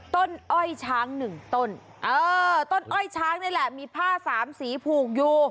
อ้อยช้างหนึ่งต้นเออต้นอ้อยช้างนี่แหละมีผ้าสามสีผูกอยู่